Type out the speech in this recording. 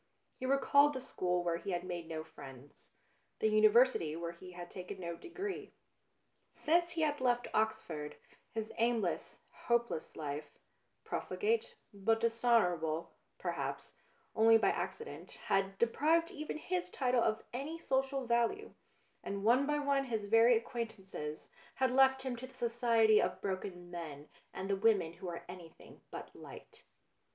He recalled the school where he had made no friends, the Uni versity where he had taken no degree. Since he had left Oxford, his aimless, hopeless life, profligate, but dishonourable, perhaps, only by accident, had deprived even his title of any social value, and one by one his very acquaint 238 BLUE BLOOD ances had left him to the society of broken men and the women who are anything but light.